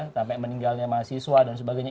sampai meninggalnya mahasiswa dan sebagainya